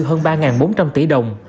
hơn ba bốn trăm linh tỷ đồng